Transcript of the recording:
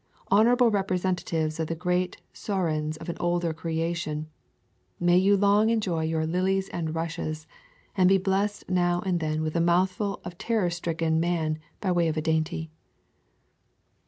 Honorable representatives of the great saurians of an older creation, may you long enjoy your lilies and rushes, and be blessed now and then with a mouthful of ter ror stricken man by way of dainty!